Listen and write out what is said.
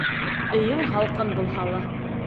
Өйөң һалҡын булһа ла